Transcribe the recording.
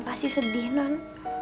pasti sedih non